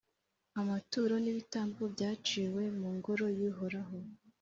Amaturo n’ibitambo byaciwe mu Ngoro y’Uhoraho,